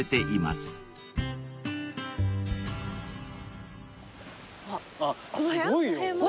すごいよ。